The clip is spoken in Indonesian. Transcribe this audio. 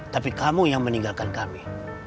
tapi kamu yang meninggalkan kami